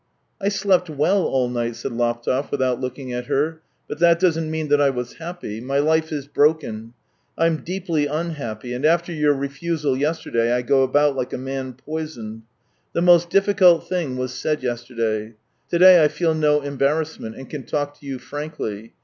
" I slept well all night," said Laptev, without looking at her; " but that doesn't mean that I was happy. My life is broken. I'm deeply unhappy, and after your refusal yesterday I go about like a man poisoned. The most difficult thing was said yesterday. To day I feel no embarrassment and can talk to you frankly.